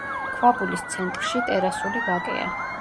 ქვაბულის ცენტრში ტერასული ვაკეა.